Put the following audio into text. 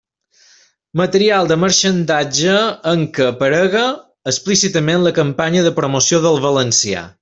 Material de marxandatge en què aparega explícitament la campanya de promoció del valencià.